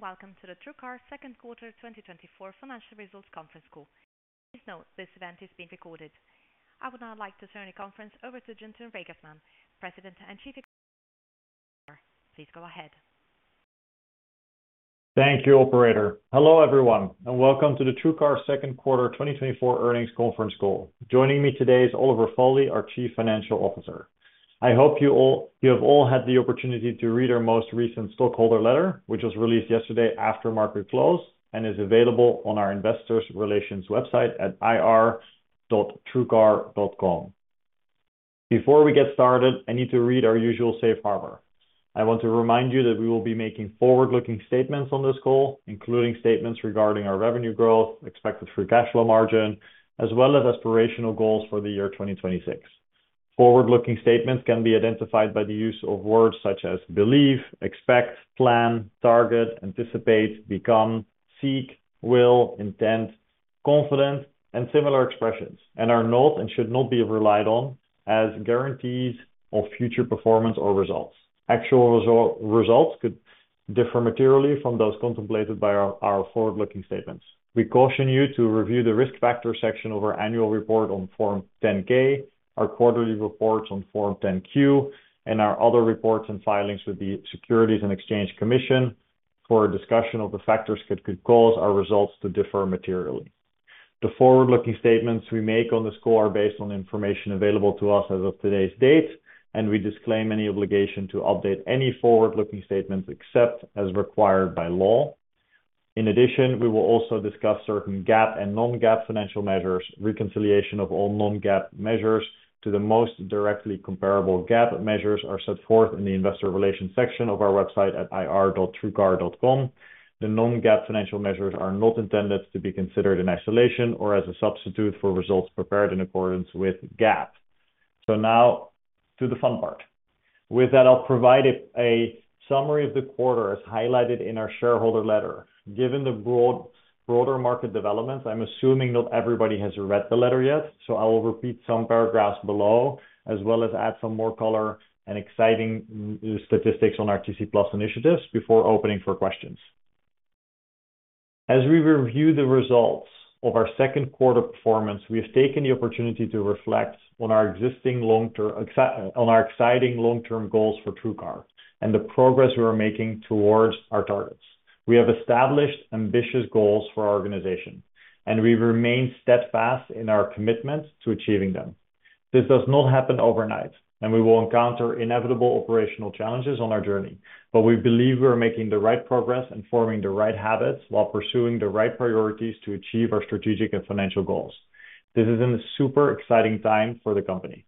...Welcome to the TrueCar second quarter 2024 financial results conference call. Please note, this event is being recorded. I would now like to turn the conference over to Jantoon Reigersman, President and Chief Executive Officer. Please go ahead. Thank you, operator. Hello, everyone, and welcome to the TrueCar second quarter 2024 earnings conference call. Joining me today is Oliver Foley, our Chief Financial Officer. I hope you all—you have all had the opportunity to read our most recent stockholder letter, which was released yesterday after market close, and is available on our investor relations website at ir.truecar.com. Before we get started, I need to read our usual safe harbor. I want to remind you that we will be making forward-looking statements on this call, including statements regarding our revenue growth, expected free cash flow margin, as well as aspirational goals for the year 2026. Forward-looking statements can be identified by the use of words such as believe, expect, plan, target, anticipate, become, seek, will, intent, confident, and similar expressions, and are not and should not be relied on as guarantees of future performance or results. Actual results could differ materially from those contemplated by our, our forward-looking statements. We caution you to review the risk factor section of our annual report on Form 10-K, our quarterly reports on Form 10-Q, and our other reports and filings with the Securities and Exchange Commission for a discussion of the factors that could cause our results to differ materially. The forward-looking statements we make on this call are based on information available to us as of today's date, and we disclaim any obligation to update any forward-looking statements except as required by law. In addition, we will also discuss certain GAAP and non-GAAP financial measures. Reconciliation of all non-GAAP measures to the most directly comparable GAAP measures are set forth in the Investor Relations section of our website at ir.truecar.com. The non-GAAP financial measures are not intended to be considered in isolation or as a substitute for results prepared in accordance with GAAP. So now to the fun part. With that, I'll provide a summary of the quarter as highlighted in our shareholder letter. Given the broader market developments, I'm assuming not everybody has read the letter yet, so I will repeat some paragraphs below, as well as add some more color and exciting statistics on our TC+ initiatives before opening for questions. As we review the results of our second quarter performance, we have taken the opportunity to reflect on our existing long-term on our exciting long-term goals for TrueCar and the progress we are making towards our targets. We have established ambitious goals for our organization, and we remain steadfast in our commitment to achieving them. This does not happen overnight, and we will encounter inevitable operational challenges on our journey. But we believe we are making the right progress and forming the right habits while pursuing the right priorities to achieve our strategic and financial goals. This is a super exciting time for the company.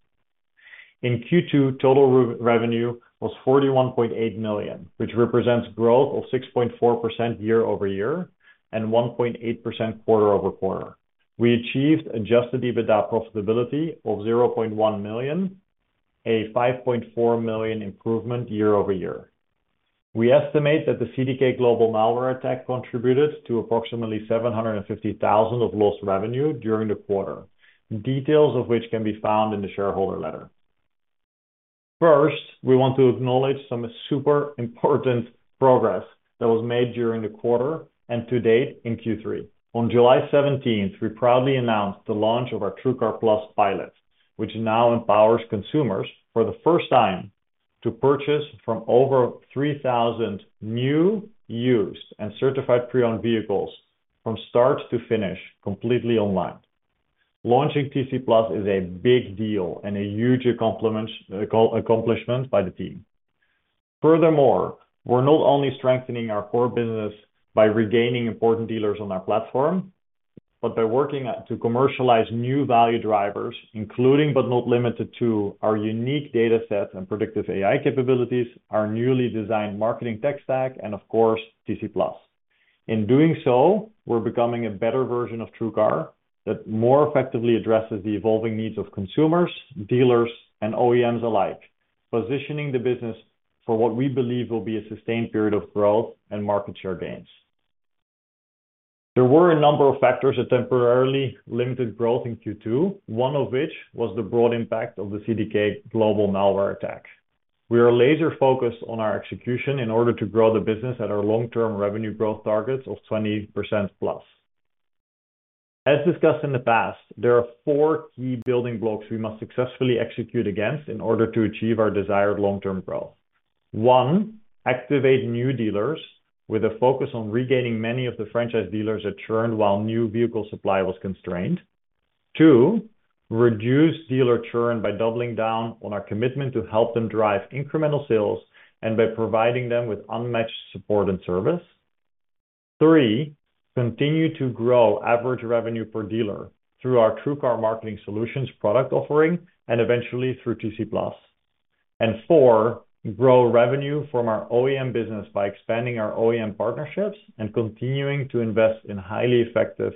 In Q2, total revenue was $41.8 million, which represents growth of 6.4% year-over-year, and 1.8% quarter-over-quarter. We achieved Adjusted EBITDA profitability of $0.1 million, a $5.4 million improvement year-over-year. We estimate that the CDK Global malware attack contributed to approximately $750,000 of lost revenue during the quarter. Details of which can be found in the shareholder letter. First, we want to acknowledge some super important progress that was made during the quarter and to date in Q3. On July 17 we proudly announced the launch of our TrueCar+ pilot, which now empowers consumers, for the first time, to purchase from over 3,000 new, used, and certified pre-owned vehicles from start to finish, completely online. Launching TC+ is a big deal and a huge accomplishment by the team. Furthermore, we're not only strengthening our core business by regaining important dealers on our platform, but by working to commercialize new value drivers, including but not limited to our unique data set and predictive AI capabilities, our newly designed marketing tech stack, and of course, TC+. In doing so, we're becoming a better version of TrueCar that more effectively addresses the evolving needs of consumers, dealers, and OEMs alike, positioning the business for what we believe will be a sustained period of growth and market share gains. There were a number of factors that temporarily limited growth in Q2, one of which was the broad impact of the CDK Global malware attack. We are laser focused on our execution in order to grow the business at our long-term revenue growth targets of 20%+. As discussed in the past, there are four key building blocks we must successfully execute against in order to achieve our desired long-term growth. 1, activate new dealers with a focus on regaining many of the franchise dealers that churned while new vehicle supply was constrained. 2, reduce dealer churn by doubling down on our commitment to help them drive incremental sales and by providing them with unmatched support and service. 3, continue to grow average revenue per dealer through our TrueCar Marketing Solutions product offering and eventually through TC+. And four, grow revenue from our OEM business by expanding our OEM partnerships and continuing to invest in highly effective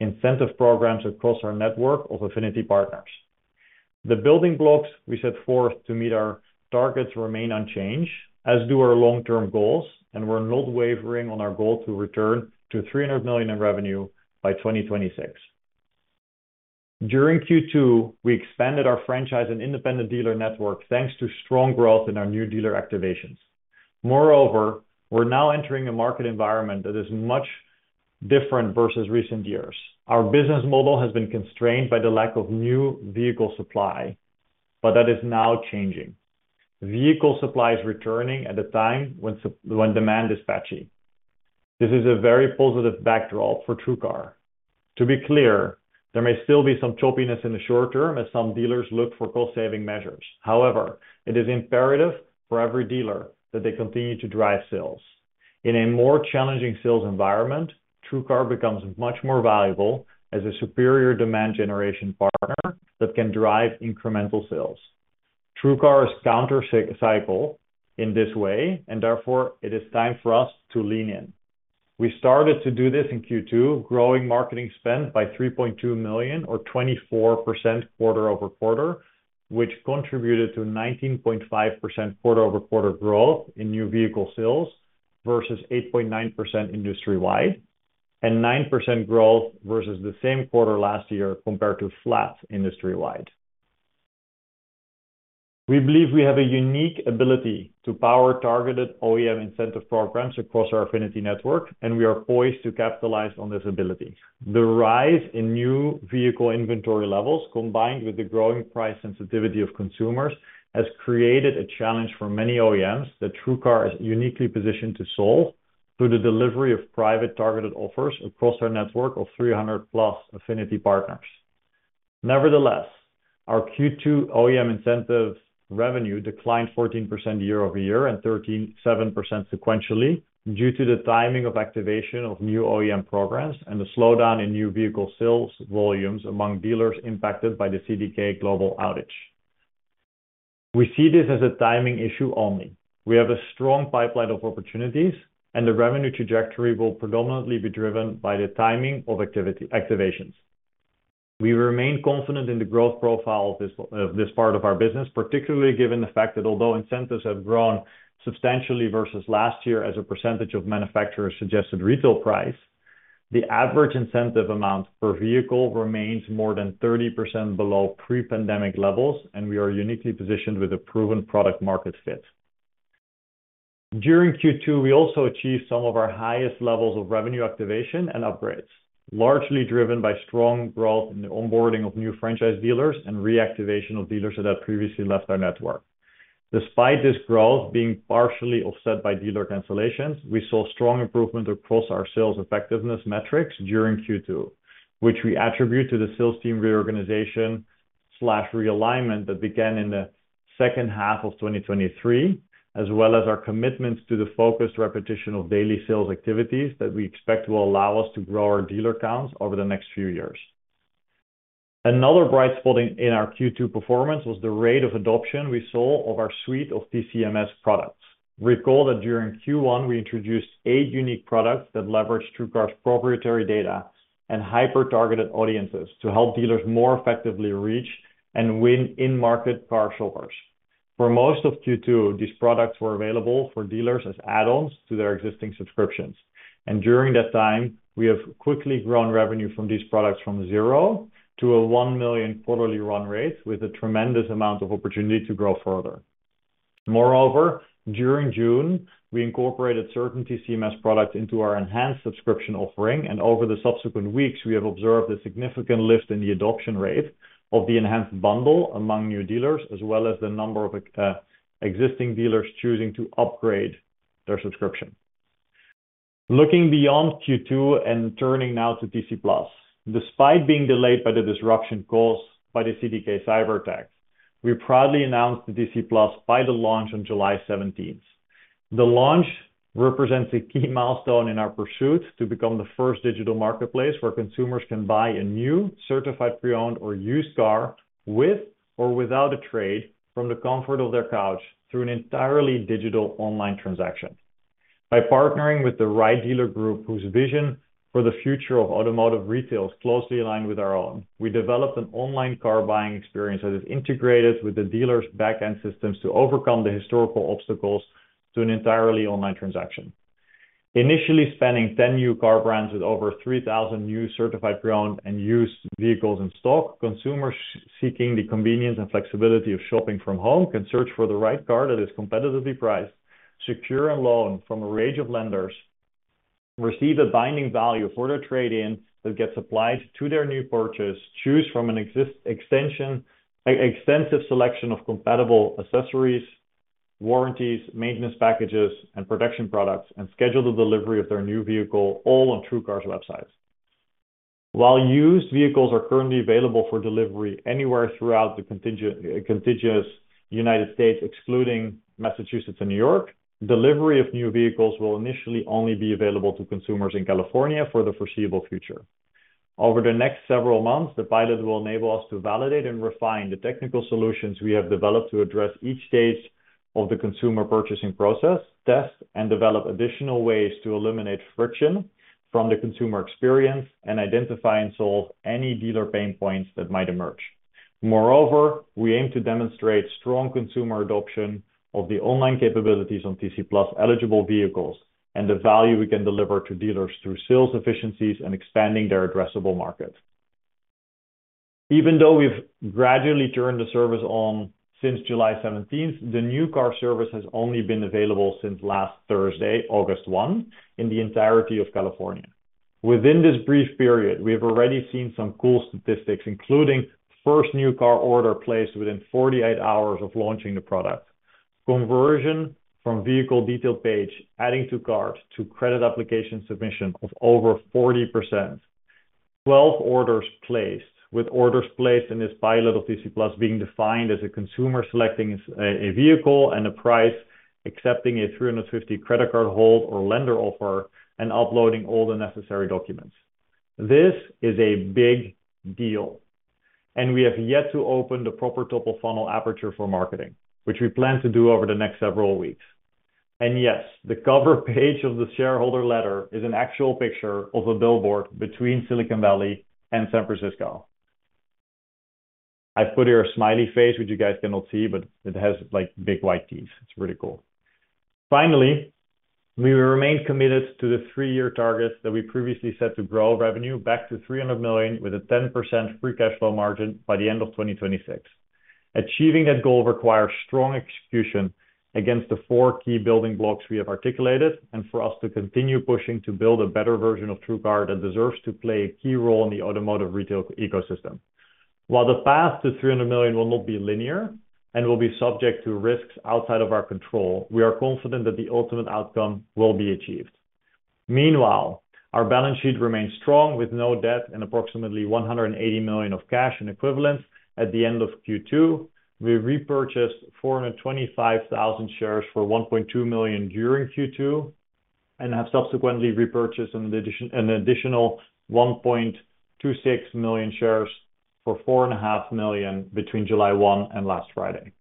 incentive programs across our network of affinity partners. The building blocks we set forth to meet our targets remain unchanged, as do our long-term goals, and we're not wavering on our goal to return to $300 million in revenue by 2026. During Q2, we expanded our franchise and independent dealer network, thanks to strong growth in our new dealer activations. Moreover, we're now entering a market environment that is much different versus recent years. Our business model has been constrained by the lack of new vehicle supply, but that is now changing. Vehicle supply is returning at a time when demand is patchy. This is a very positive backdrop for TrueCar. To be clear, there may still be some choppiness in the short term as some dealers look for cost-saving measures. However, it is imperative for every dealer that they continue to drive sales. In a more challenging sales environment, TrueCar becomes much more valuable as a superior demand generation partner that can drive incremental sales. TrueCar is counter-cyclical in this way, and therefore it is time for us to lean in. We started to do this in Q2, growing marketing spend by $3.2 million or 24% quarter-over-quarter, which contributed to 19.5% quarter-over-quarter growth in new vehicle sales, versus 8.9% industry-wide, and 9% growth versus the same quarter last year, compared to flat industry-wide. We believe we have a unique ability to power targeted OEM incentive programs across our affinity network, and we are poised to capitalize on this ability. The rise in new vehicle inventory levels, combined with the growing price sensitivity of consumers, has created a challenge for many OEMs that TrueCar is uniquely positioned to solve through the delivery of private targeted offers across our network of 300+ affinity partners. Nevertheless, our Q2 OEM incentive revenue declined 14% year-over-year and 13.7% sequentially, due to the timing of activation of new OEM programs and the slowdown in new vehicle sales volumes among dealers impacted by the CDK Global outage. We see this as a timing issue only. We have a strong pipeline of opportunities, and the revenue trajectory will predominantly be driven by the timing of activations. We remain confident in the growth profile of this part of our business, particularly given the fact that although incentives have grown substantially versus last year as a percentage of manufacturer's suggested retail price, the average incentive amount per vehicle remains more than 30% below pre-pandemic levels, and we are uniquely positioned with a proven product-market fit. During Q2, we also achieved some of our highest levels of revenue activation and upgrades, largely driven by strong growth in the onboarding of new franchise dealers and reactivation of dealers that had previously left our network. Despite this growth being partially offset by dealer cancellations, we saw strong improvement across our sales effectiveness metrics during Q2, which we attribute to the sales team reorganization/realignment that began in the second half of 2023, as well as our commitments to the focused repetition of daily sales activities that we expect will allow us to grow our dealer counts over the next few years. Another bright spot in our Q2 performance was the rate of adoption we saw of our suite of TCMS products. Recall that during Q1, we introduced eight unique products that leverage TrueCar's proprietary data and hyper-targeted audiences to help dealers more effectively reach and win in-market car shoppers. For most of Q2, these products were available for dealers as add-ons to their existing subscriptions, and during that time, we have quickly grown revenue from these products from zero to a $1 million quarterly run rate, with a tremendous amount of opportunity to grow further. Moreover, during June, we incorporated certain TCMS products into our enhanced subscription offering, and over the subsequent weeks, we have observed a significant lift in the adoption rate of the enhanced bundle among new dealers, as well as the number of existing dealers choosing to upgrade their subscription. Looking beyond Q2 and turning now to TC+. Despite being delayed by the disruption caused by the CDK cyberattack, we proudly announced the TC+ pilot launch on July 17. The launch represents a key milestone in our pursuit to become the first digital marketplace where consumers can buy a new, certified pre-owned, or used car, with or without a trade, from the comfort of their couch through an entirely digital online transaction. By partnering with the right dealer group, whose vision for the future of automotive retail is closely aligned with our own, we developed an online car buying experience that is integrated with the dealer's back-end systems to overcome the historical obstacles to an entirely online transaction. Initially spanning 10 new car brands with over 3,000 new certified pre-owned and used vehicles in stock, consumers seeking the convenience and flexibility of shopping from home can search for the right car that is competitively priced, secure a loan from a range of lenders, receive a binding value for their trade-in that gets applied to their new purchase, choose from an extensive selection of compatible accessories, warranties, maintenance packages, and protection products, and schedule the delivery of their new vehicle, all on TrueCar's website. While used vehicles are currently available for delivery anywhere throughout the contiguous United States, excluding Massachusetts and New York, delivery of new vehicles will initially only be available to consumers in California for the foreseeable future. Over the next several months, the pilot will enable us to validate and refine the technical solutions we have developed to address each stage of the consumer purchasing process, test and develop additional ways to eliminate friction from the consumer experience, and identify and solve any dealer pain points that might emerge... Moreover, we aim to demonstrate strong consumer adoption of the online capabilities on TC+ eligible vehicles and the value we can deliver to dealers through sales efficiencies and expanding their addressable market. Even though we've gradually turned the service on since July 17, the new car service has only been available since last Thursday, August 1, in the entirety of California. Within this brief period, we have already seen some cool statistics, including first new car order placed within 48 hours of launching the product. Conversion from vehicle detail page, adding to cart to credit application submission of over 40%. 12 orders placed, with orders placed in this pilot of TC+ being defined as a consumer selecting a vehicle and a price, accepting a $350 credit card hold or lender offer, and uploading all the necessary documents. This is a big deal, and we have yet to open the proper top of funnel aperture for marketing, which we plan to do over the next several weeks. And yes, the cover page of the shareholder letter is an actual picture of a billboard between Silicon Valley and San Francisco. I put here a smiley face, which you guys cannot see, but it has, like, big white teeth. It's really cool. Finally, we will remain committed to the three-year targets that we previously set to grow revenue back to $300 million, with a 10% free cash flow margin by the end of 2026. Achieving that goal requires strong execution against the four key building blocks we have articulated, and for us to continue pushing to build a better version of TrueCar that deserves to play a key role in the automotive retail ecosystem. While the path to $300 million will not be linear and will be subject to risks outside of our control, we are confident that the ultimate outcome will be achieved. Meanwhile, our balance sheet remains strong, with no debt and approximately $180 million of cash and equivalents at the end of Q2. We repurchased 425,000 shares for $1.2 million during Q2, and have subsequently repurchased an additional 1.26 million shares for $4.5 million between July 1 and last Friday.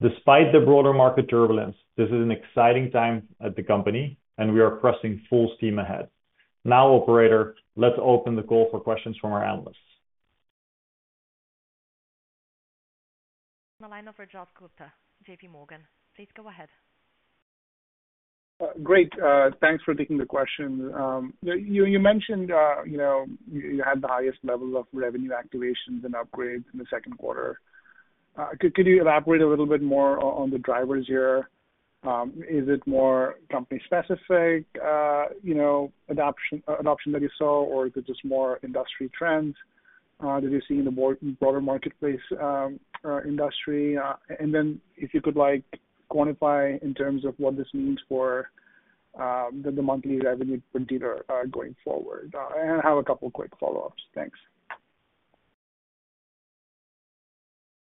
Despite the broader market turbulence, this is an exciting time at the company, and we are pressing full steam ahead. Now, operator, let's open the call for questions from our analysts. The line over for Rajat Gupta, J.P. Morgan. Please go ahead. Great. Thanks for taking the question. You mentioned, you know, you had the highest level of revenue activations and upgrades in the second quarter. Could you elaborate a little bit more on the drivers here? Is it more company specific, you know, adoption that you saw, or is it just more industry trends that you see in the more broader marketplace, industry? And then if you could, like, quantify in terms of what this means for the monthly revenue per dealer going forward. And I have a couple quick follow-ups. Thanks.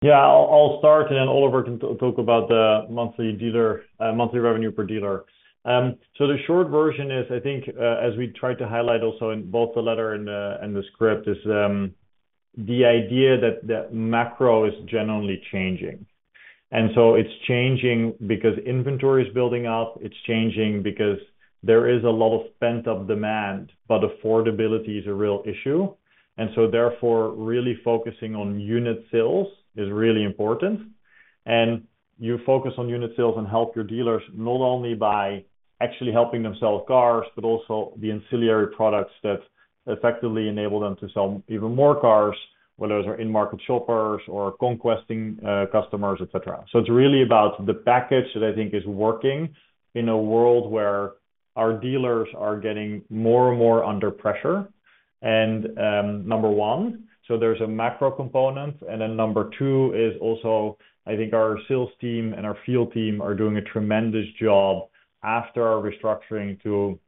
Yeah. I'll start, and then Oliver can talk about the monthly dealer, monthly revenue per dealer. So the short version is, I think, as we tried to highlight also in both the letter and the script, is the idea that macro is generally changing. And so it's changing because inventory is building up. It's changing because there is a lot of pent-up demand, but affordability is a real issue. And so therefore, really focusing on unit sales is really important. And you focus on unit sales and help your dealers, not only by actually helping them sell cars, but also the ancillary products that effectively enable them to sell even more cars, whether those are in-market shoppers or conquesting customers, et cetera. So it's really about the package that I think is working in a world where our dealers are getting more and more under pressure, and, number one, so there's a macro component. And then number two is also, I think our sales team and our field team are doing a tremendous job after our restructuring, to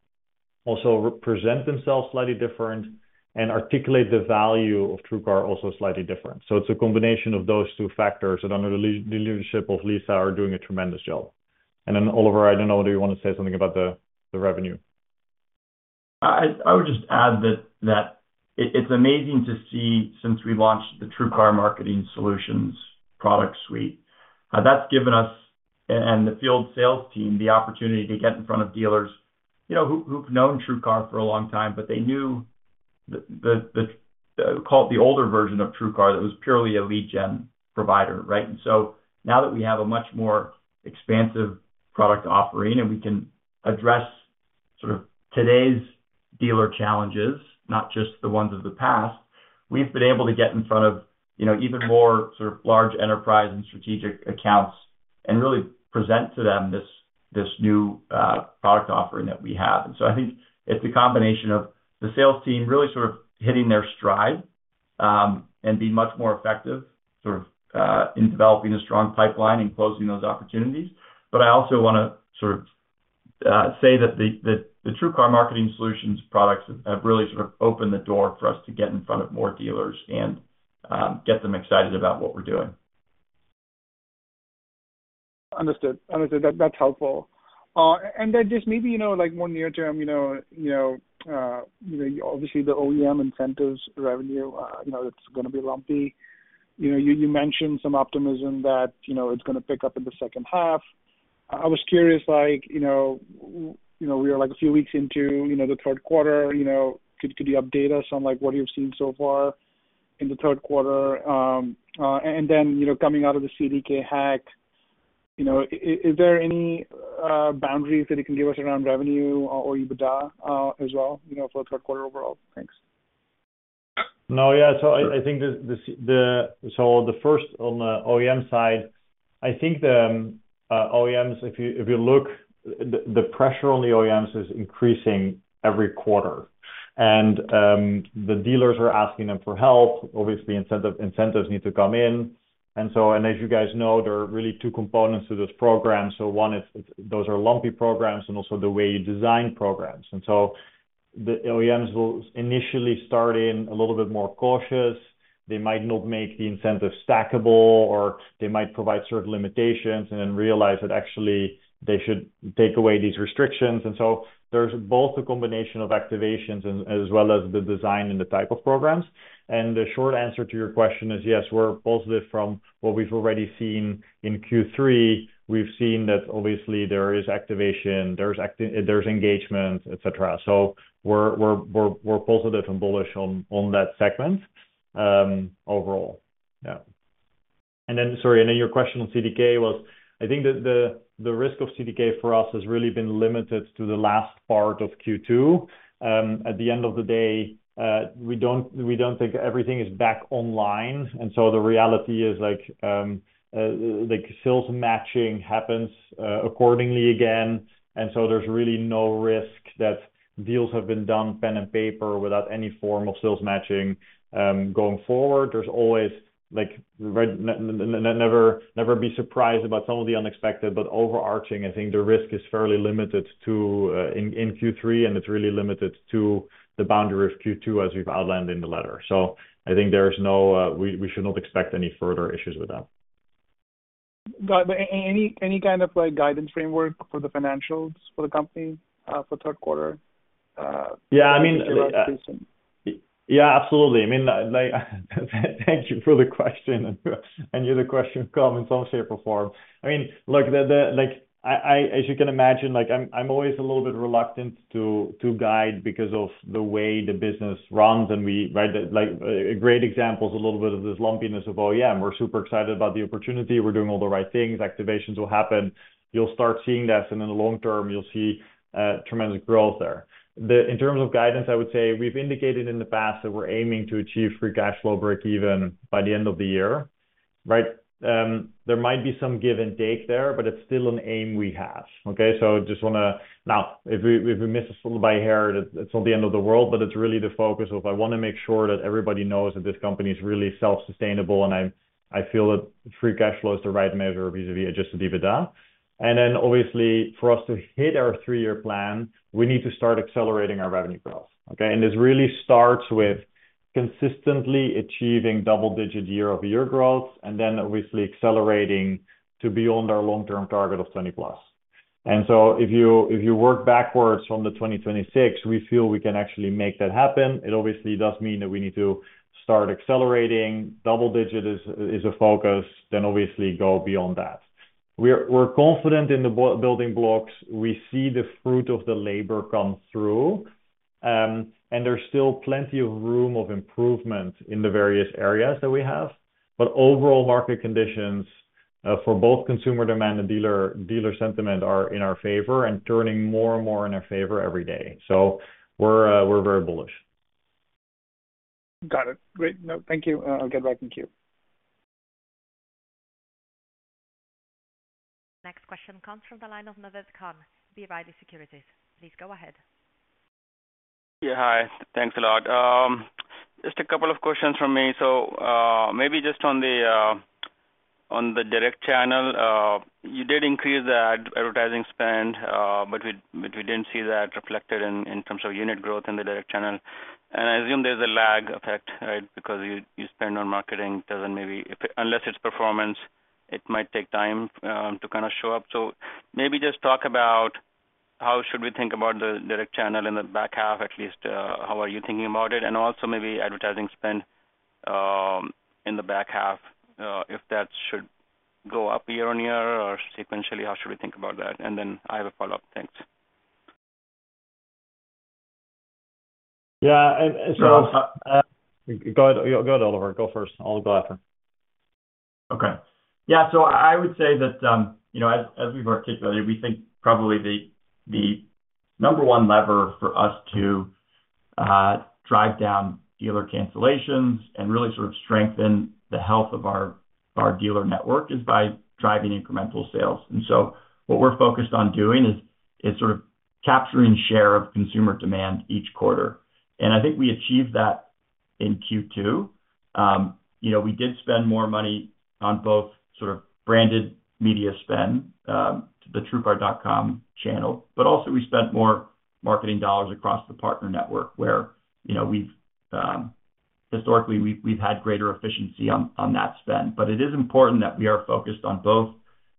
also re-present themselves slightly different and articulate the value of TrueCar also slightly different. So it's a combination of those two factors that under the leadership of Lisa, are doing a tremendous job. And then, Oliver, I don't know, whether you want to say something about the revenue. I would just add that it's amazing to see, since we launched the TrueCar Marketing Solutions product suite, that's given us and the field sales team the opportunity to get in front of dealers, you know, who've known TrueCar for a long time, but they knew the call it the older version of TrueCar that was purely a lead gen provider, right? And so now that we have a much more expansive product offering, and we can address sort of today's dealer challenges, not just the ones of the past, we've been able to get in front of, you know, even more sort of large enterprise and strategic accounts and really present to them this this new product offering that we have. I think it's a combination of the sales team really sort of hitting their stride, and being much more effective, sort of, in developing a strong pipeline and closing those opportunities. But I also want to sort of say that the TrueCar Marketing Solutions products have really sort of opened the door for us to get in front of more dealers and, get them excited about what we're doing. Understood. Understood. That, that's helpful. And then just maybe, you know, like more near term, you know, you know, obviously the OEM incentives revenue, it's gonna be lumpy. You know, you mentioned some optimism that, you know, it's gonna pick up in the second half. I was curious, like, you know, we are like a few weeks into, you know, the third quarter, you know, could you update us on, like, what you've seen so far in the third quarter? And then, you know, coming out of the CDK hack, you know, is there any boundaries that you can give us around revenue or EBITDA, as well, you know, for the third quarter overall? Thanks. No, yeah. So I think the—so the first on the OEM side, I think the OEMs, if you look, the pressure on the OEMs is increasing every quarter. And the dealers are asking them for help. Obviously, incentives need to come in. And so, and as you guys know, there are really two components to this program. So one is, those are lumpy programs and also the way you design programs. And so the OEMs will initially start in a little bit more cautious. They might not make the incentives stackable, or they might provide certain limitations and then realize that actually they should take away these restrictions. And so there's both a combination of activations as well as the design and the type of programs. And the short answer to your question is, yes, we're positive from what we've already seen in Q3. We've seen that obviously there is activation, there's engagement, et cetera. So we're positive and bullish on that segment overall. Yeah. And then, sorry, I know your question on CDK was... I think the risk of CDK for us has really been limited to the last part of Q2. At the end of the day, we don't think everything is back online, and so the reality is, like, sales matching happens accordingly again. And so there's really no risk that deals have been done pen and paper without any form of sales matching going forward. There's always, like, never be surprised about some of the unexpected, but overarching, I think the risk is fairly limited to in Q3, and it's really limited to the boundary of Q2, as we've outlined in the letter. So I think there is no, we should not expect any further issues with that. Got it. Any kind of, like, guidance framework for the financials for the company for third quarter? Yeah, I mean, yeah, absolutely. I mean, like, thank you for the question. I knew the question come in some shape or form. I mean, look, the, like, I, as you can imagine, like, I'm always a little bit reluctant to guide because of the way the business runs and we, right? Like, a great example is a little bit of this lumpiness of OEM. We're super excited about the opportunity. We're doing all the right things. Activations will happen. You'll start seeing that, and in the long term, you'll see tremendous growth there. The, in terms of guidance, I would say we've indicated in the past that we're aiming to achieve free cash flow breakeven by the end of the year, right? There might be some give and take there, but it's still an aim we have, okay? So just wanna... Now, if we miss this by a hair, it's not the end of the world, but it's really the focus of, I wanna make sure that everybody knows that this company is really self-sustainable, and I feel that free cash flow is the right measure vis-a-vis Adjusted EBITDA. And then, obviously, for us to hit our three-year plan, we need to start accelerating our revenue growth, okay? And this really starts with consistently achieving double-digit year-over-year growth, and then, obviously, accelerating to beyond our long-term target of 20+. And so if you work backwards from the 2026, we feel we can actually make that happen. It obviously does mean that we need to start accelerating. Double-digit is a focus, then obviously go beyond that. We're confident in the building blocks. We see the fruit of the labor come through, and there's still plenty of room of improvement in the various areas that we have. But overall market conditions, for both consumer demand and dealer sentiment are in our favor and turning more and more in our favor every day. So we're very bullish. Got it. Great. No, thank you. I'll get back in queue. Next question comes from the line of Naved Khan, B. Riley Securities. Please go ahead. Yeah, hi. Thanks a lot. Just a couple of questions from me. So, maybe just on the direct channel, you did increase the advertising spend, but we didn't see that reflected in terms of unit growth in the direct channel. And I assume there's a lag effect, right? Because you spend on marketing, doesn't maybe... Unless it's performance, it might take time to kinda show up. So maybe just talk about how should we think about the direct channel in the back half, at least, how are you thinking about it? And also maybe advertising spend in the back half, if that should go up year-over-year or sequentially, how should we think about that? And then I have a follow-up. Thanks. Yeah, so go ahead, Oliver. Go first. I'll go after. Okay. Yeah, so I would say that, you know, as we've articulated, we think probably the number one lever for us to drive down dealer cancellations and really sort of strengthen the health of our dealer network is by driving incremental sales. And so what we're focused on doing is sort of capturing share of consumer demand each quarter. And I think we achieved that in Q2. You know, we did spend more money on both sort of branded media spend to the TrueCar.com channel, but also we spent more marketing dollars across the partner network, where, you know, we've historically had greater efficiency on that spend. But it is important that we are focused on both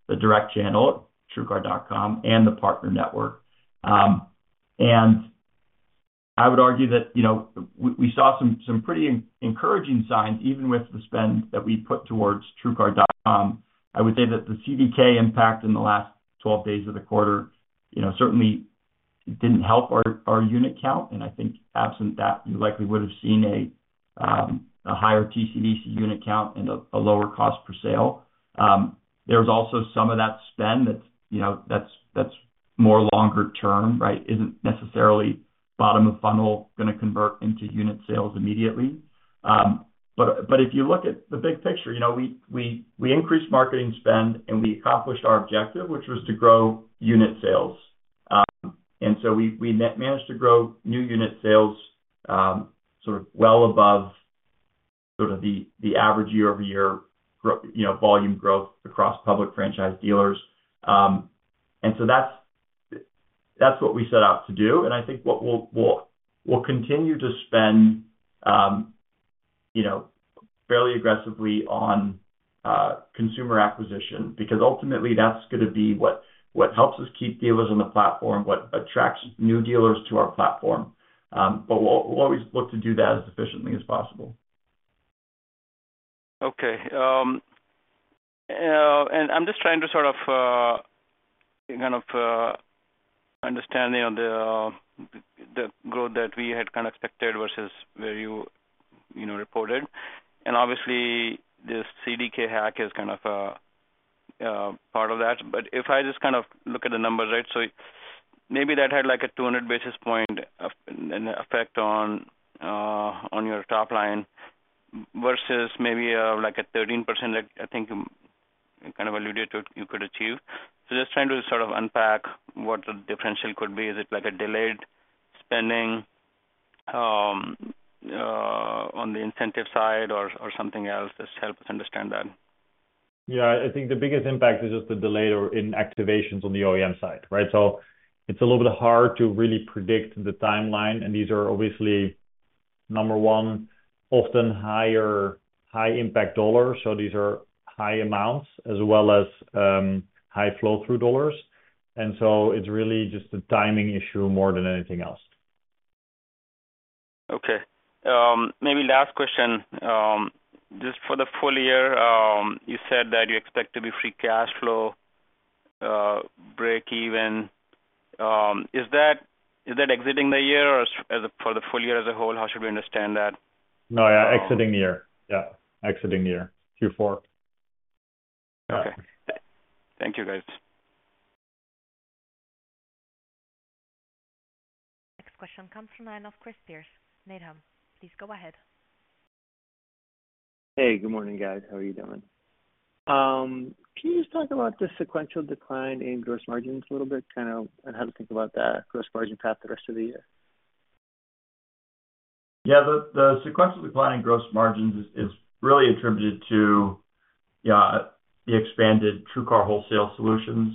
the direct channel, TrueCar.com, and the partner network. And... I would argue that, you know, we saw some pretty encouraging signs, even with the spend that we put towards TrueCar.com. I would say that the CDK impact in the last 12 days of the quarter, you know, certainly didn't help our unit count, and I think absent that, you likely would have seen a higher TCDC unit count and a lower cost per sale. There's also some of that spend that's, you know, that's more longer term, right? Isn't necessarily bottom of funnel gonna convert into unit sales immediately. But if you look at the big picture, you know, we increased marketing spend, and we accomplished our objective, which was to grow unit sales. And so we managed to grow new unit sales, sort of well above sort of the average year-over-year growth, you know, volume growth across public franchise dealers. And so that's what we set out to do, and I think what we'll continue to spend, you know, fairly aggressively on consumer acquisition, because ultimately, that's gonna be what helps us keep dealers on the platform, what attracts new dealers to our platform. But we'll always look to do that as efficiently as possible. Okay. And I'm just trying to sort of, kind of, understanding on the growth that we had kind of expected versus where you, you know, reported. And obviously, this CDK hack is kind of a part of that. But if I just kind of look at the numbers, right, so maybe that had like a 200 basis point effect on your top line versus maybe, like a 13%, like, I think you kind of alluded to, you could achieve. So just trying to sort of unpack what the differential could be. Is it like a delayed spending on the incentive side or something else? Just help us understand that. Yeah, I think the biggest impact is just the delay or in activations on the OEM side, right? So it's a little bit hard to really predict the timeline, and these are obviously, number one, often higher, high impact dollars. So these are high amounts as well as high flow-through dollars. And so it's really just a timing issue more than anything else. Okay. Maybe last question. Just for the full year, you said that you expect to be free cash flow breakeven. Is that, is that exiting the year or as, as a for the full year as a whole? How should we understand that? No, yeah, exiting the year. Yeah, exiting the year, Q4. Okay. Thank you, guys. Next question comes from the line of Chris Pierce, Needham. Please go ahead. Hey, good morning, guys. How are you doing? Can you just talk about the sequential decline in gross margins a little bit, kind of, and how to think about the gross margin path the rest of the year? Yeah, the sequential decline in gross margins is really attributed to the expanded TrueCar Wholesale Solutions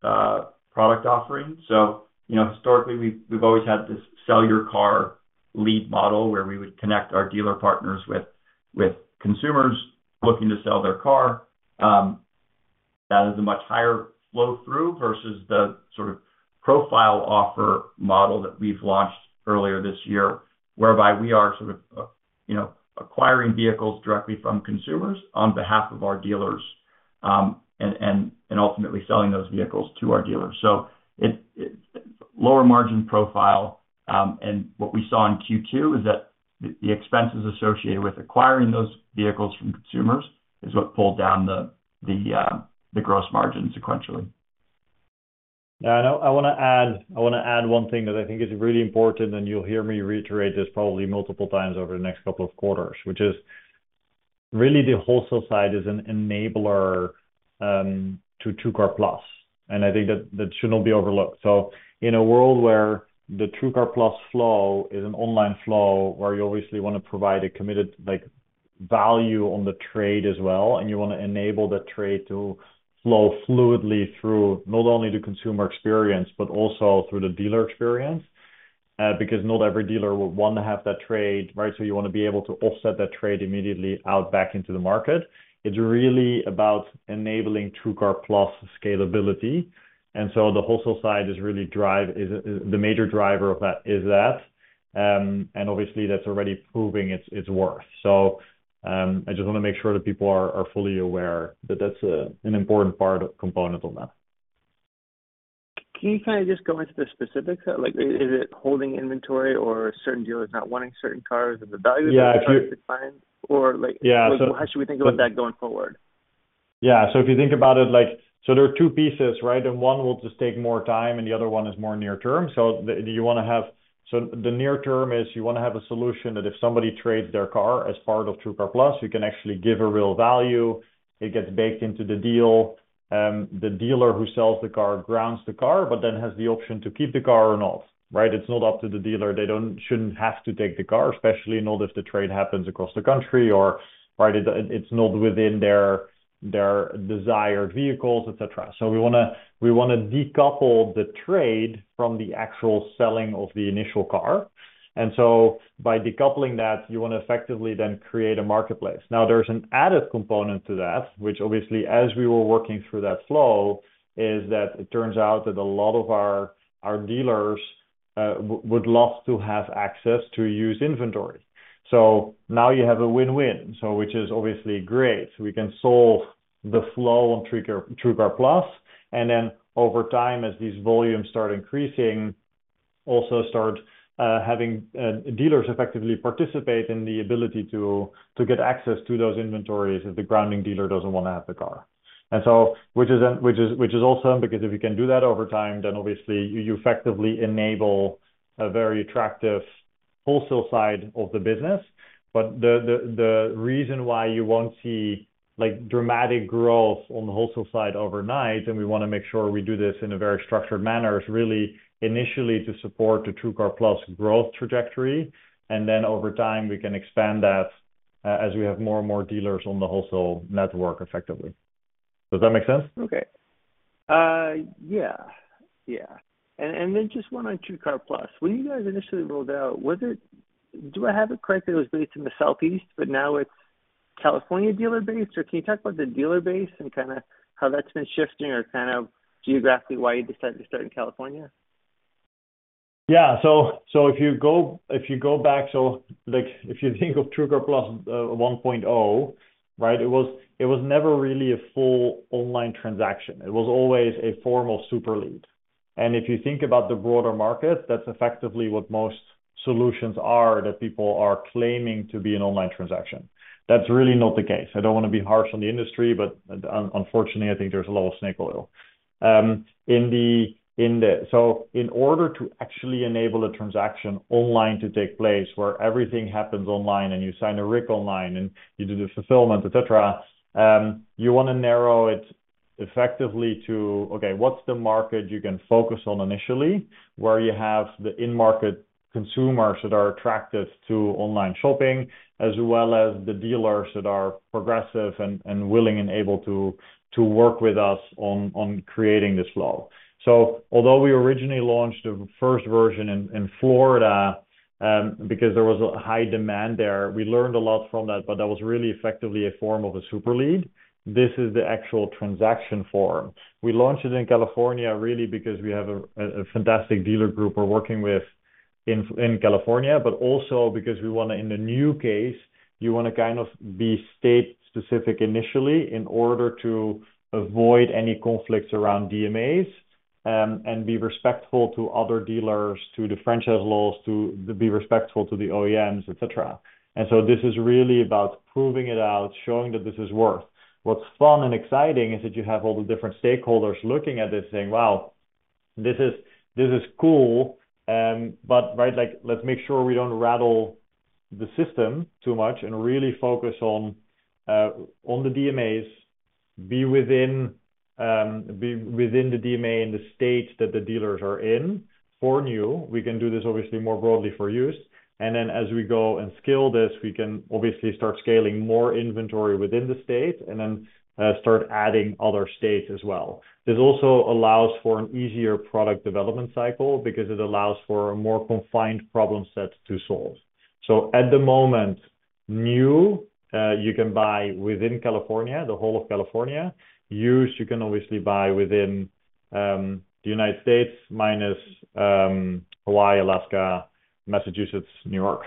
product offering. So, you know, historically, we've always had this Sell Your Car lead model, where we would connect our dealer partners with consumers looking to sell their car. That is a much higher flow-through versus the sort of principal offer model that we've launched earlier this year, whereby we are sort of, you know, acquiring vehicles directly from consumers on behalf of our dealers, and ultimately selling those vehicles to our dealers. So it lower margin profile, and what we saw in Q2 is that the expenses associated with acquiring those vehicles from consumers is what pulled down the gross margin sequentially. Yeah, I know. I wanna add, I wanna add one thing that I think is really important, and you'll hear me reiterate this probably multiple times over the next couple of quarters, which is really the wholesale side is an enabler to TrueCar+, and I think that, that should not be overlooked. So in a world where the TrueCar+ flow is an online flow, where you obviously wanna provide a committed, like, value on the trade as well, and you wanna enable that trade to flow fluidly through not only the consumer experience but also through the dealer experience, because not every dealer would want to have that trade, right? So you wanna be able to offset that trade immediately out back into the market. It's really about enabling TrueCar+ scalability, and so the wholesale side is really driving. The major driver of that is that, and obviously, that's already proving its worth. So, I just wanna make sure that people are fully aware that that's an important part of component on that. Can you kind of just go into the specifics? Like, is it holding inventory or certain dealers not wanting certain cars and the values- Yeah. -or, like- Yeah, so- How should we think about that going forward? Yeah. So if you think about it, like, so there are two pieces, right? And one will just take more time, and the other one is more near term. So the near term is you wanna have a solution that if somebody trades their car as part of TrueCar+, you can actually give a real value. It gets baked into the deal. The dealer who sells the car, grounds the car, but then has the option to keep the car or not, right? It's not up to the dealer. They shouldn't have to take the car, especially not if the trade happens across the country or, right, it, it's not within their desired vehicles, et cetera. So we wanna decouple the trade from the actual selling of the initial car. And so by decoupling that, you wanna effectively then create a marketplace. Now, there's an added component to that, which obviously, as we were working through that flow, is that it turns out that a lot of our dealers would love to have access to used inventory. So now you have a win-win, so which is obviously great. We can solve the flow on TrueCar, TrueCar+, and then over time, as these volumes start increasing, also start having dealers effectively participate in the ability to get access to those inventories if the grounding dealer doesn't wanna have the car. And so, which is awesome, because if you can do that over time, then obviously you effectively enable a very attractive wholesale side of the business. But the reason why you won't see, like, dramatic growth on the wholesale side overnight, and we wanna make sure we do this in a very structured manner, is really initially to support the TrueCar+ growth trajectory, and then over time, we can expand that, as we have more and more dealers on the wholesale network effectively. Does that make sense? Okay. Yeah. Yeah. And, and then just one on TrueCar+. When you guys initially rolled out, was it... Do I have it correct, that it was based in the Southeast, but now it's California dealer base? Or can you talk about the dealer base and kinda how that's been shifting or kind of geographically, why you decided to start in California? Yeah, so, so if you go, if you go back, so like, if you think of TrueCar+, 1.0, right, it was, it was never really a full online transaction. It was always a formal super lead. And if you think about the broader market, that's effectively what most solutions are, that people are claiming to be an online transaction. That's really not the case. I don't wanna be harsh on the industry, but unfortunately, I think there's a lot of snake oil. In the so in order to actually enable a transaction online to take place, where everything happens online, and you sign a RIC online, and you do the fulfillment, et cetera, you wanna narrow it effectively to, okay, what's the market you can focus on initially, where you have the in-market consumers that are attracted to online shopping, as well as the dealers that are progressive and willing and able to work with us on creating this flow. So although we originally launched the first version in Florida, because there was a high demand there, we learned a lot from that, but that was really effectively a form of a super lead. This is the actual transaction form. We launched it in California, really because we have a fantastic dealer group we're working with in California, but also because we wanna... In the new case, you wanna kind of be state specific initially in order to avoid any conflicts around DMAs, and be respectful to other dealers, to the franchise laws, to be respectful to the OEMs, et cetera. And so this is really about proving it out, showing that this is worth. What's fun and exciting, is that you have all the different stakeholders looking at this saying, "Wow, this is, this is cool," but right, like, let's make sure we don't rattle the system too much and really focus on the DMAs, be within the DMA in the state that the dealers are in. For new, we can do this obviously more broadly for used, and then as we go and scale this, we can obviously start scaling more inventory within the state and then start adding other states as well. This also allows for an easier product development cycle because it allows for a more confined problem set to solve. So at the moment, new, you can buy within California, the whole of California. Used, you can obviously buy within the United States, minus Hawaii, Alaska, Massachusetts, New York.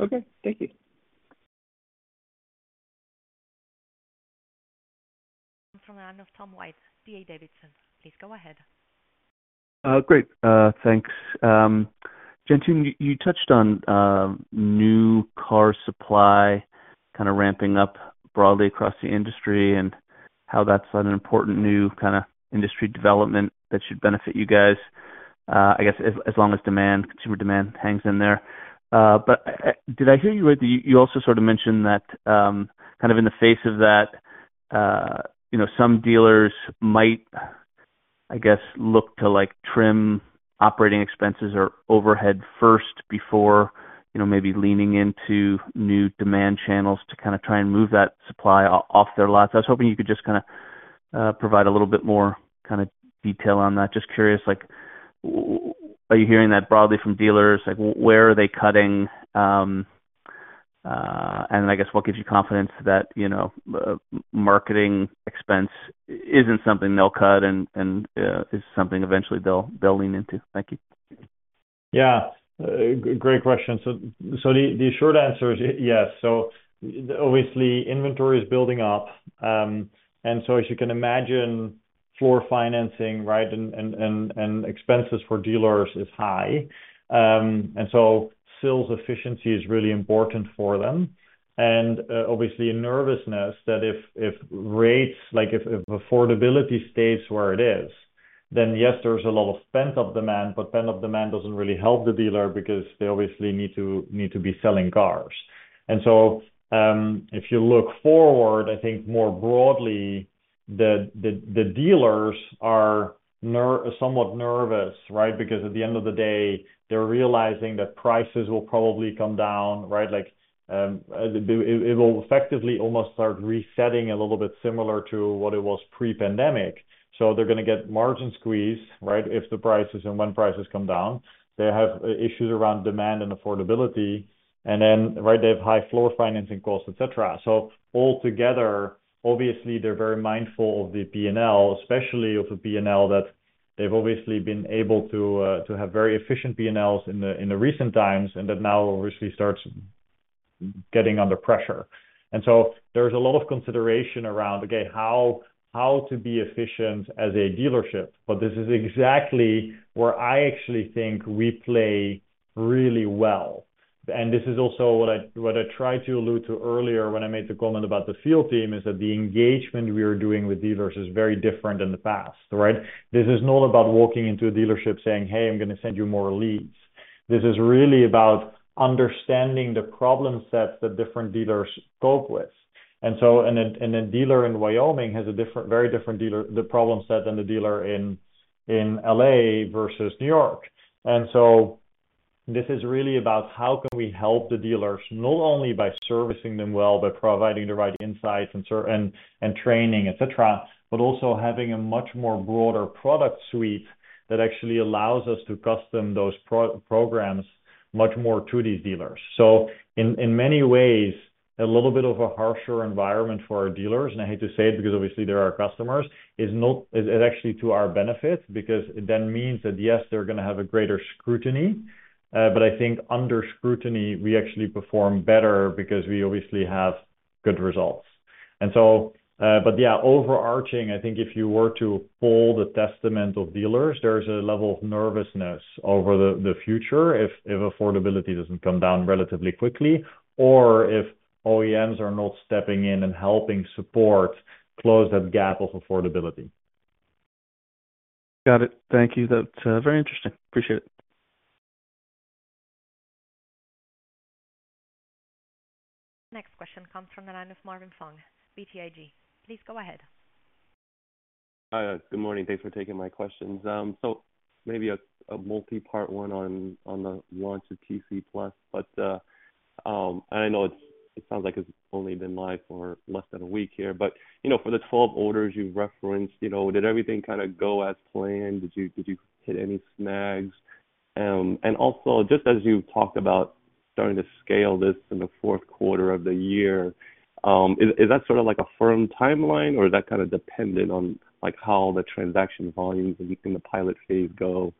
Okay, thank you. From the line of Tom White, D.A. Davidson. Please go ahead. Great, thanks. Jantoon, you touched on new car supply kinda ramping up broadly across the industry, and how that's an important new kinda industry development that should benefit you guys, I guess as long as demand, consumer demand hangs in there. But did I hear you right? You also sort of mentioned that kind of in the face of that, you know, some dealers might, I guess, look to, like, trim operating expenses or overhead first before, you know, maybe leaning into new demand channels to kinda try and move that supply off their lots. I was hoping you could just kinda provide a little bit more kinda detail on that. Just curious, like, are you hearing that broadly from dealers? Like, where are they cutting? I guess what gives you confidence that, you know, marketing expense isn't something they'll cut and is something eventually they'll lean into? Thank you. Yeah. Great question. So the short answer is, yes. So obviously, inventory is building up, and so as you can imagine, floor financing, right, and expenses for dealers is high. And so sales efficiency is really important for them. And obviously nervousness that if rates... like, if affordability stays where it is, then yes, there's a lot of pent-up demand, but pent-up demand doesn't really help the dealer because they obviously need to be selling cars. And so if you look forward, I think more broadly, the dealers are somewhat nervous, right? Because at the end of the day, they're realizing that prices will probably come down, right? Like, it will effectively almost start resetting a little bit similar to what it was pre-pandemic. So they're gonna get margin squeeze, right? If the prices and when prices come down, they have issues around demand and affordability, and then, right, they have high floor financing costs, et cetera. So altogether, obviously, they're very mindful of the P&L, especially of the P&L, that they've obviously been able to to have very efficient P&Ls in the, in the recent times, and that now obviously starts getting under pressure. And so there's a lot of consideration around, okay, how, how to be efficient as a dealership. But this is exactly where I actually think we play really well. And this is also what I, what I tried to allude to earlier when I made the comment about the field team, is that the engagement we are doing with dealers is very different than the past, right? This is not about walking into a dealership saying, "Hey, I'm gonna send you more leads." This is really about understanding the problem sets that different dealers cope with. And so a dealer in Wyoming has a different, very different dealer problem set than the dealer in L.A. versus New York. And so this is really about how can we help the dealers, not only by servicing them well, but providing the right insights and services and training, et cetera, but also having a much more broader product suite that actually allows us to custom those programs much more to these dealers. So in many ways, a little bit of a harsher environment for our dealers, and I hate to say it because obviously they're our customers, is actually to our benefit, because it then means that, yes, they're gonna have a greater scrutiny. But I think under scrutiny, we actually perform better because we obviously have good results. And so, but yeah, overarching, I think if you were to poll the sentiment of dealers, there's a level of nervousness over the future if affordability doesn't come down relatively quickly or if OEMs are not stepping in and helping support close that gap of affordability. Got it. Thank you. That's very interesting. Appreciate it. Next question comes from the line of Marvin Fong, BTIG. Please go ahead. Hi. Good morning. Thanks for taking my questions. So maybe a multipart one on the launch of TC+, but I know it sounds like it's only been live for less than a week here, but you know, for the 12 orders you referenced, you know, did everything kinda go as planned? Did you hit any snags? And also, just as you talked about starting to scale this in the fourth quarter of the year, is that sort of like a firm timeline, or is that kind of dependent on, like, how the transaction volumes in the pilot phase go?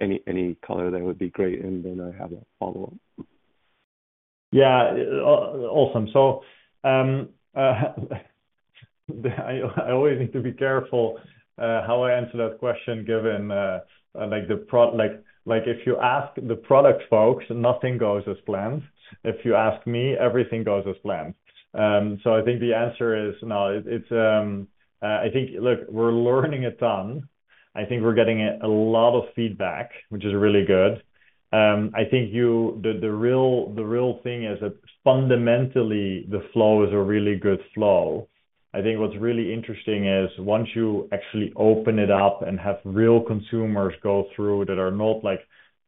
Any color there would be great, and then I have a follow-up. Yeah, awesome. So, I always need to be careful how I answer that question, given like the product folks, nothing goes as planned. If you ask me, everything goes as planned. So I think the answer is, no, it's, I think... Look, we're learning a ton. I think we're getting a lot of feedback, which is really good. I think the real thing is that fundamentally, the flow is a really good flow. I think what's really interesting is, once you actually open it up and have real consumers go through that are not like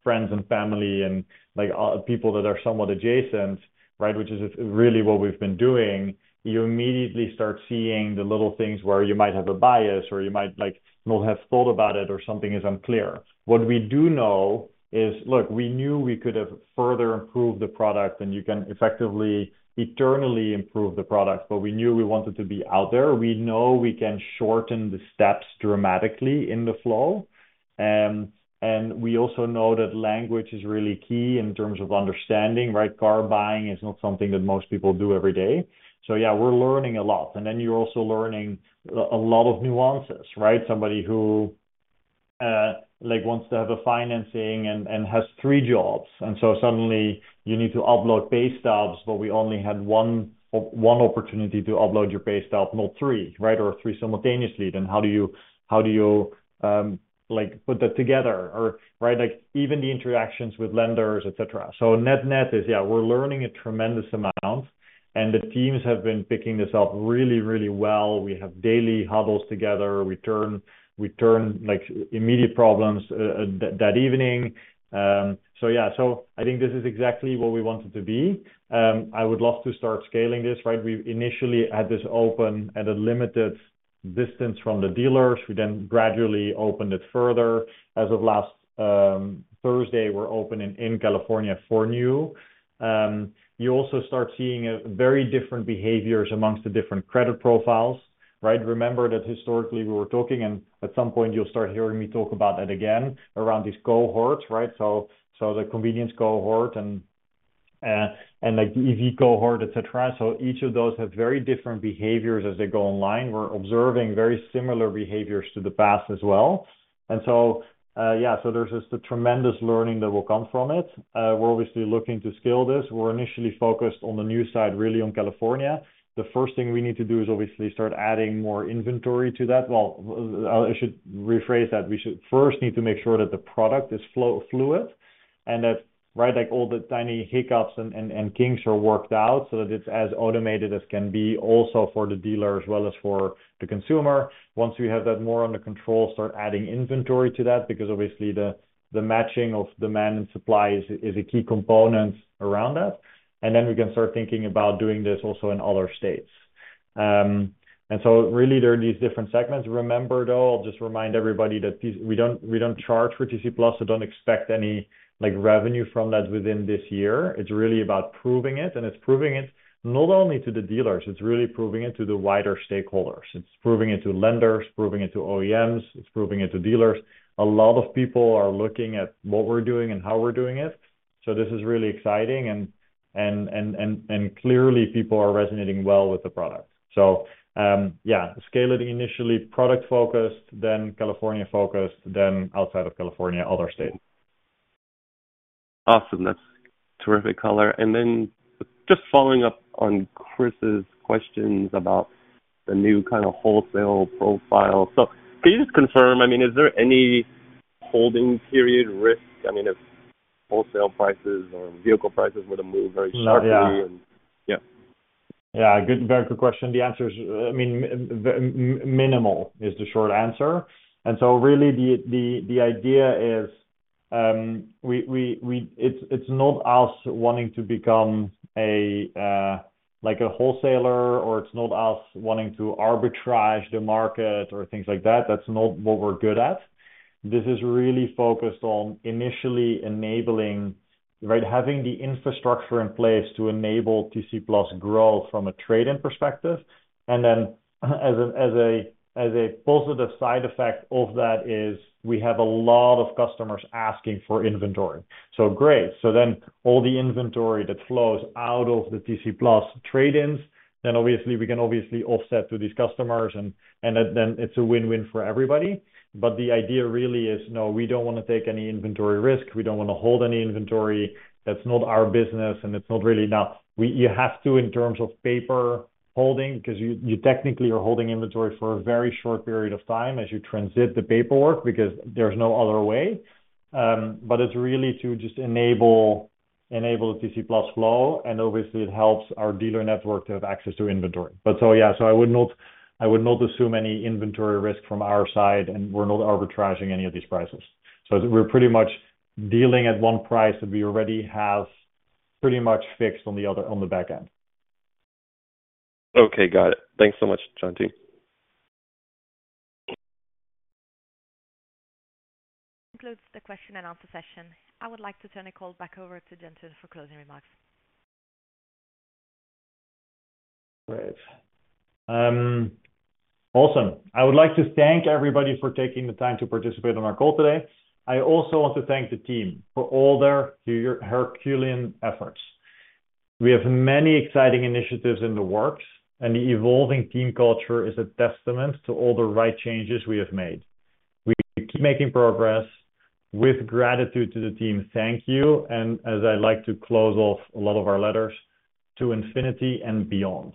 friends and family and like, people that are somewhat adjacent, right, which is really what we've been doing, you immediately start seeing the little things where you might have a bias or you might, like, not have thought about it or something is unclear. What we do know is, look, we knew we could have further improved the product, and you can effectively, eternally improve the product, but we knew we wanted to be out there. We know we can shorten the steps dramatically in the flow. And we also know that language is really key in terms of understanding, right? Car buying is not something that most people do every day. So yeah, we're learning a lot, and then you're also learning a lot of nuances, right? Somebody who, like, wants to have a financing and has three jobs, and so suddenly you need to upload pay stubs, but we only had one opportunity to upload your pay stub, not three, right, or three simultaneously. Then how do you, like, put that together? Or, right, like even the interactions with lenders, et cetera. So net-net is, yeah, we're learning a tremendous amount, and the teams have been picking this up really, really well. We have daily huddles together. We turn like immediate problems that evening. So yeah, so I think this is exactly where we want it to be. I would love to start scaling this, right? We initially had this open at a limited distance from the dealers. We then gradually opened it further. As of last Thursday, we're opening in California for new. You also start seeing a very different behaviors amongst the different credit profiles, right? Remember that historically we were talking, and at some point you'll start hearing me talk about that again around these cohorts, right? So the convenience cohort and the EV cohort, et cetera. So each of those have very different behaviors as they go online. We're observing very similar behaviors to the past as well. And so, yeah, so there's just a tremendous learning that will come from it. We're obviously looking to scale this. We're initially focused on the new side, really on California. The first thing we need to do is obviously start adding more inventory to that. Well, I should rephrase that. We should first need to make sure that the product is fluid, and that, right, like all the tiny hiccups and kinks are worked out so that it's as automated as can be, also for the dealer as well as for the consumer. Once we have that more under control, start adding inventory to that, because obviously the matching of demand and supply is a key component around that. And then we can start thinking about doing this also in other states. And so really there are these different segments. Remember, though, I'll just remind everybody that these, we don't, we don't charge for TC+, so don't expect any, like, revenue from that within this year. It's really about proving it, and it's proving it not only to the dealers, it's really proving it to the wider stakeholders. It's proving it to lenders, proving it to OEMs, it's proving it to dealers. A lot of people are looking at what we're doing and how we're doing it... So this is really exciting and clearly people are resonating well with the product. So, yeah, scaling initially product-focused, then California-focused, then outside of California, other states. Awesome! That's terrific color. And then just following up on Chris's questions about the new kind of wholesale profile. So can you just confirm, I mean, is there any holding period risk, I mean, if wholesale prices or vehicle prices were to move very sharply? Yeah. Yeah. Yeah, good, very good question. The answer is, I mean, minimal is the short answer. And so really the idea is, it's not us wanting to become a, like a wholesaler or it's not us wanting to arbitrage the market or things like that. That's not what we're good at. This is really focused on initially enabling, right, having the infrastructure in place to enable TC+ grow from a trade-in perspective. And then as a positive side effect of that is we have a lot of customers asking for inventory. So great. So then all the inventory that flows out of the TC+ trade-ins, then obviously, we can offset to these customers and then it's a win-win for everybody. But the idea really is, no, we don't wanna take any inventory risk. We don't wanna hold any inventory. That's not our business, and it's not really enough. We—you have to, in terms of paper holding, because you technically are holding inventory for a very short period of time as you transit the paperwork, because there's no other way. But it's really to just enable TC+ flow, and obviously it helps our dealer network to have access to inventory. But so, yeah, so I would not assume any inventory risk from our side, and we're not arbitraging any of these prices. So we're pretty much dealing at one price that we already have pretty much fixed on the other, on the back end. Okay, got it. Thanks so much, Jantoon. Concludes the question and answer session. I would like to turn the call back over to Jantoon for closing remarks. Great. Awesome. I would like to thank everybody for taking the time to participate on our call today. I also want to thank the team for all their herculean efforts. We have many exciting initiatives in the works, and the evolving team culture is a testament to all the right changes we have made. We keep making progress. With gratitude to the team, thank you. And as I like to close off a lot of our letters, "To infinity and beyond.